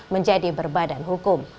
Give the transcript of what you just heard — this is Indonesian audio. menjadi berbadan hukum